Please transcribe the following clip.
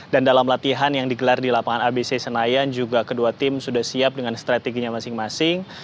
dan dalam latihan yang digelar di lapangan abc senayan juga kedua tim sudah siap dengan strateginya masing masing